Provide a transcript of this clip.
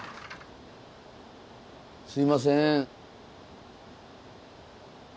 すいません。